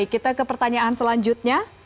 kita ke pertanyaan selanjutnya